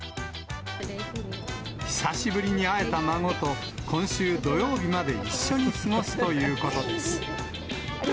久しぶりに会えた孫と、今週土曜日まで一緒に過ごすということです。